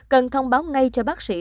cần thông báo ngay cho bác sĩ